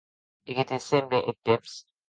E qué te semble eth temps?